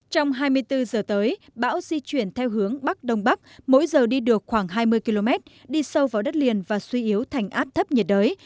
trong hai mươi bốn giờ tới bão di chuyển theo hướng bắc đông bắc mỗi giờ đi được khoảng hai mươi km đi sâu vào đất liền và suy yếu thành áp thấp nhiệt đới